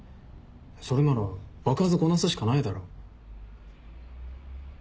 それなら場数こなすしかないだろ。